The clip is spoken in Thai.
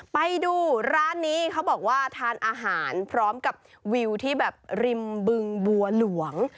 ไปดูร้านนี้เขาบอกว่าทานอาหารพร้อมกับวิวที่แบบริมบึงบัวหลวง